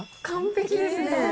完璧ですね。